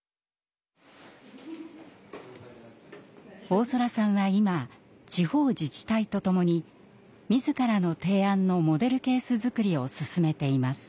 大空さんは今地方自治体と共に自らの提案のモデルケースづくりを進めています。